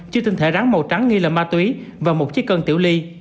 chứa tinh thể rắn màu trắng nghi là ma túy và một chiếc cân tiểu ly